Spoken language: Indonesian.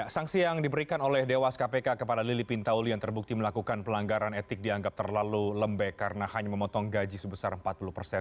sanksi yang diberikan oleh dewas kpk kepada lili pintauli yang terbukti melakukan pelanggaran etik dianggap terlalu lembek karena hanya memotong gaji sebesar empat puluh persen